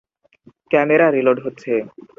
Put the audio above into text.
Camera reload হচ্ছে।